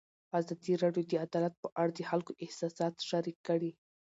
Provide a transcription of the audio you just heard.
ازادي راډیو د عدالت په اړه د خلکو احساسات شریک کړي.